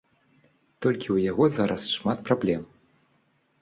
Толькі ў яго зараз шмат праблем.